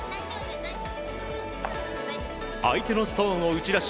相手のストーンを打ち出し